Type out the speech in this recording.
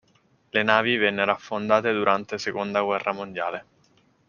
Le navi vennero affondate durante seconda guerra mondiale.